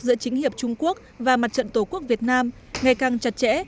giữa chính hiệp trung quốc và mặt trận tổ quốc việt nam ngày càng chặt chẽ